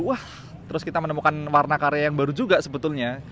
wah terus kita menemukan warna karya yang baru juga sebetulnya